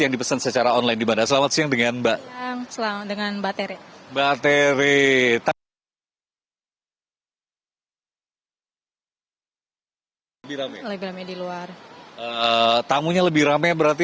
yang dipesan secara online di bandara selamat siang dengan mbak selamat